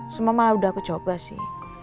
semama udah aku coba sih